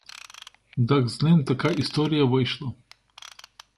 Дак з ним така історія вийшла.